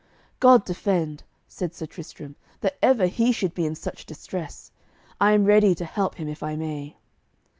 "God defend," said Sir Tristram, "that ever he should be in such distress. I am ready to help him if I may."